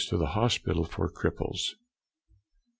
to the hospital for cripples. 7.